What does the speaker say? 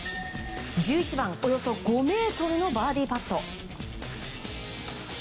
１１番、およそ５ｍのバーディーパット。